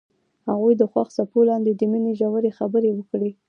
هغوی د خوښ څپو لاندې د مینې ژورې خبرې وکړې.